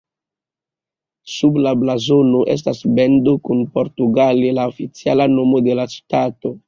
Sub la blazono estas bendo kun portugale la oficiala nomo de la ŝtato.